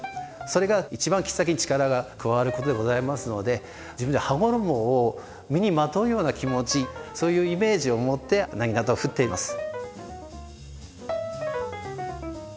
それが一番切っ先に力が加わることでございますので自分で羽衣を身にまとうような気持ちそういうイメージを持って薙刀を振っています。